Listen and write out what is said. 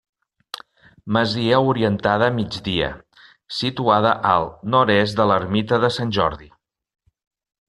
Masia orientada a migdia, situada al Nord-est de l'ermita de Sant Jordi.